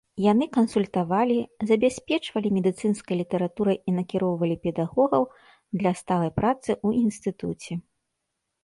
Яны кансультавалі, забяспечвалі медыцынскай літаратурай і накіроўвалі педагогаў для сталай працы ў інстытуце.